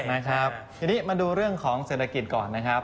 นะครับทีนี้มาดูเรื่องของเศรษฐกิจก่อนนะครับ